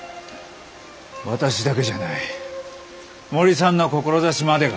私だけじゃない森さんの志までが。